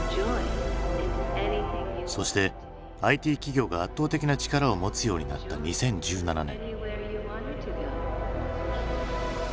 そしてＩＴ企業が圧倒的な力を持つようになった２０１７年。